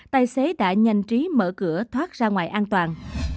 tài xế đã nhanh trí mở cửa thoát ra ngoài an toàn